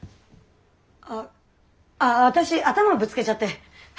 あああ私頭ぶつけちゃって。